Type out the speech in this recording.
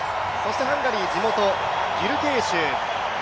ハンガリー、地元、ギュルケーシュ。